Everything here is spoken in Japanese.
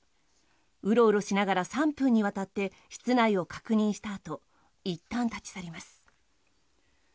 ウロウロしながら３分にわたって室内を確認したあといったん立ち去ります。